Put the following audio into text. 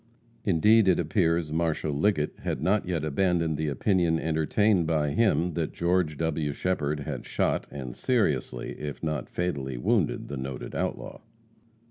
Indeed it appears Marshal Liggett had not yet abandoned the opinion entertained by him, that George W. Shepherd had shot and seriously if not fatally wounded the noted outlaw.